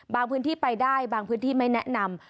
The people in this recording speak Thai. พื้นที่ไปได้บางพื้นที่ไม่แนะนำ